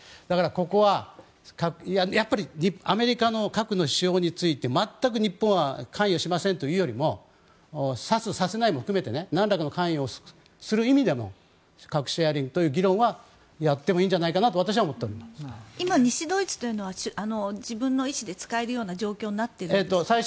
だからここは、やっぱりアメリカの核の使用について全く日本は関与しませんというよりもさせる、させないも含めてなんらかの関与をする意味でも核シェアリングという議論は私はやってもいいんじゃないかなと今、西ドイツというのは自分の意思で使える状況になっているんですか？